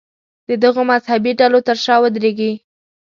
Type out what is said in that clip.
د دغو مذهبي ډلو تر شا ودرېږي.